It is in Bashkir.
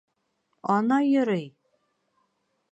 Ана йөрөй!